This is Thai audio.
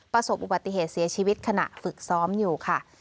ประสบอุบัติเหตุเสียชีวิตขณะฝึกซ้อมอยู่ค่ะ